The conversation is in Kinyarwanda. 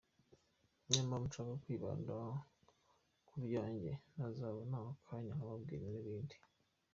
niyo mpamvu nshaka kwibanda kubyanjye nazabona akanya nkababwira n’ibindi.